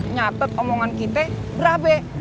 nyatet omongan kita berabe